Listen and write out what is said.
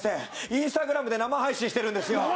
インスタグラムで生配信しているんですよ。